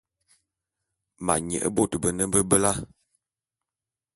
Ma nye bot bene bebela.